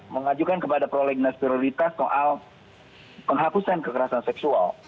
mengajukan kepada prolegnas prioritas soal penghapusan kekerasan seksual